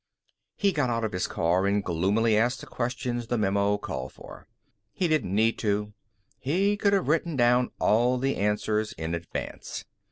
He got out of his car and gloomily asked the questions the memo called for. He didn't need to. He could have written down all the answers in advance.